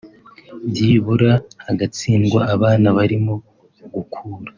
byibura hagatsindwa abana barimo gukura